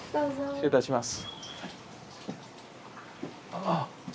失礼いたします。